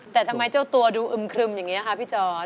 แต่ทำไมเจ้าตัวดูอึมครึมอย่างนี้ค่ะพี่จร